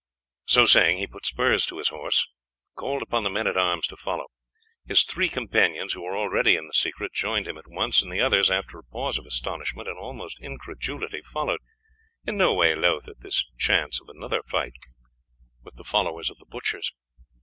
So saying, he put spurs to his horse, calling upon the men at arms to follow. His three companions, who were already in the secret, joined him at once; and the others, after a pause of astonishment and almost incredulity, followed, in no way loath at the chance of another fight with the followers of the butchers.